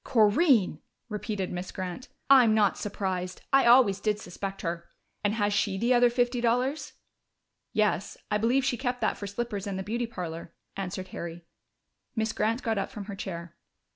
"Corinne!" repeated Miss Grant. "I'm not surprised. I always did suspect her.... And has she the other fifty dollars?" "Yes, I believe she kept that for slippers and the beauty parlor," answered Harry. Miss Grant got up from her chair.